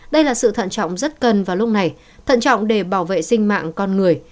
đây là sự thận trọng rất cần vào lúc này thận trọng để bảo vệ sinh mạng con người